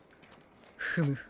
フム。